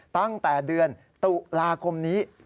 ตั้งแต่เดือนตุลาคมนี้